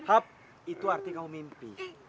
hab itu arti kamu mimpi